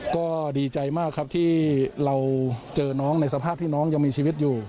ก็ดีใจมากครับที่เราเจอน้องในสภาพที่น้องยังมีชีวิตอยู่